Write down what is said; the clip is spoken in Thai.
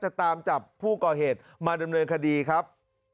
จะตามจับผู้ก่อเหตุมาดำเนินคดีครับ